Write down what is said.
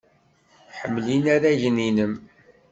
Ḥemmel inaragen-nnem.